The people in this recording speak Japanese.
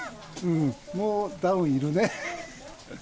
もうダウンいるね。